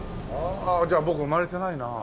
じゃあ僕生まれてないな。